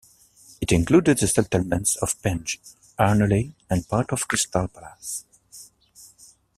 It included the settlements of Penge, Anerley and part of Crystal Palace.